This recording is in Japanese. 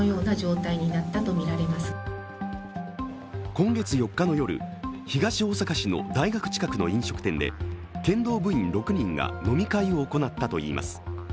今月４日の夜、東大阪市の大学近くの飲食店で剣道部員６人が飲み会を行ったといいます。